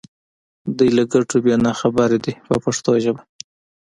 دوی له ګټو یې نا خبره دي په پښتو ژبه.